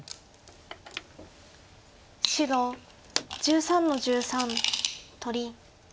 白１３の十三取り。